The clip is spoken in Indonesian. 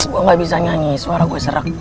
gue gak bisa nyanyi suara gue serak